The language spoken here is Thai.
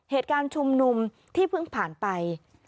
เหตุการณ์ชุมนุมที่เพิ่งผ่านไป